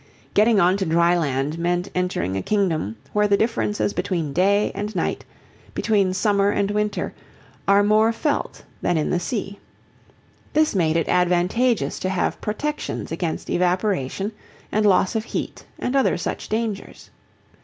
Getting on to dry land meant entering a kingdom where the differences between day and night, between summer and winter are more felt than in the sea. This made it advantageous to have protections against evaporation and loss of heat and other such dangers.